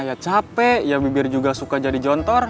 ya capek ya bibir juga suka jadi jontor